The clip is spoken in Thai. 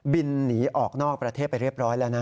บินหนีออกนอกประเทศไปเรียบร้อยแล้วนะ